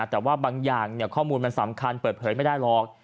แต่ว่าบางอย่างข้อมูลมันสำคัญเปิดเผยไม่ได้หรอก